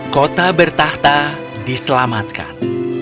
kota bertahta diselamatkan